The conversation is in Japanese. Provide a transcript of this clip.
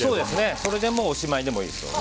それでもうおしまいでもいいですけどね